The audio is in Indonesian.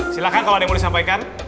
silahkan kalau ada yang mau disampaikan